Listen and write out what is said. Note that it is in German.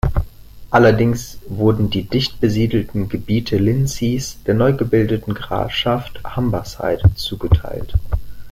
Allerdings wurden die dicht besiedelten Gebiete Lindseys der neu gebildeten Grafschaft Humberside zugeteilt.